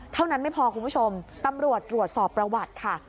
เท่านั้นไม่พอคุณผู้ชมตำรวจตรวจสอบประวัติค่ะ